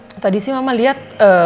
nah tadi sih mama lihat